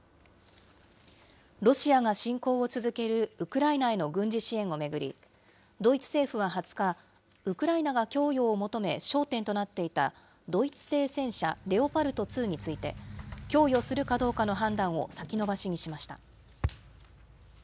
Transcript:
ロシアが侵攻を続けるウクライナへの軍事支援を巡り、ドイツ政府は２０日、ウクライナが供与を求め、焦点となっていたドイツ製戦車レオパルト２について、供与するかどうかの判断を先延ばしにしました。